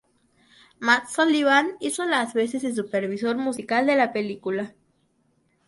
Matt Sullivan hizo las veces de supervisor musical de la película.